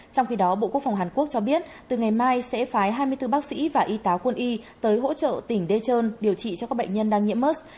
trong khi đó bộ quốc phòng hàn quốc cho biết từ ngày mai sẽ phái hai mươi bốn bác sĩ và y tá quân y tới hỗ trợ tỉnh dechon điều trị cho các bệnh nhân đang nhiễm mỡ